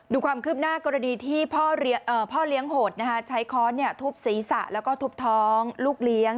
ดูความคืบหน้ากรณีที่พ่อเลี้ยงโหดใช้ค้อนทุบศีรษะแล้วก็ทุบท้องลูกเลี้ยง